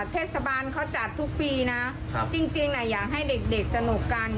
เทศบาลเขาจัดทุกปีนะครับจริงจริงน่ะอยากให้เด็กเด็กสนุกกัน